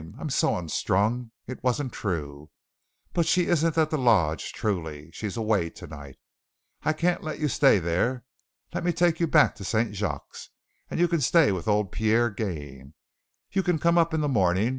I'm so unstrung. It wasn't true, but she isn't at the lodge, truly. She's away tonight. I can't let you stay there. Let me take you back to St. Jacques and you can stay with old Pierre Gaine. You can come up in the morning.